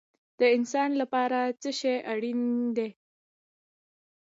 د انسان لپاره څه شی اړین دی؟